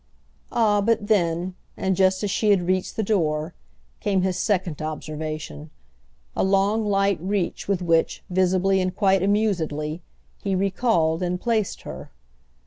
Ah but then, and just as she had reached the door, came his second observation, a long light reach with which, visibly and quite amusedly, he recalled and placed her.